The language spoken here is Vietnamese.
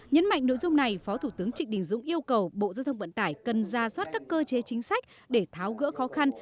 nhấn mạnh nội dung này phó thủ tướng trịnh đình dũng yêu cầu bộ giao thông vận tải cần ra soát các cơ chế chính sách để tháo gỡ khó khăn